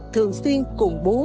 thường xuyên cùng bố